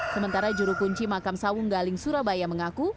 sementara juru kunci makam sawung galing surabaya mengaku